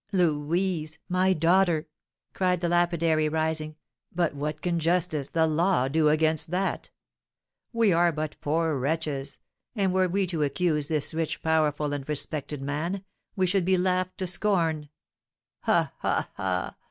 "Louise! my daughter!" cried the lapidary, rising, "but what can justice the law do against that? We are but poor wretches, and were we to accuse this rich, powerful, and respected man, we should be laughed to scorn. Ha! ha! ha!"